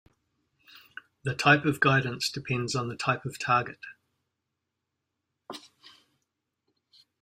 The type of guidance depends on the type of target.